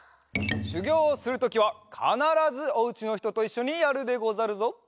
しゅぎょうをするときはかならずおうちのひとといっしょにやるでござるぞ。